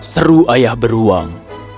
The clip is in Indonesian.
seru ayah beruang